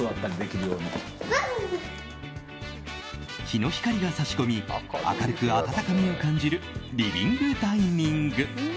日の光が差し込み明るく温かみを感じるリビングダイニング。